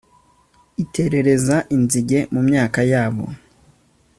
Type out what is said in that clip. iterereza inzige mu myaka yabo